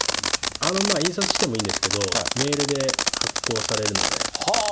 印刷してもいいんですけど、メールで発行されるので。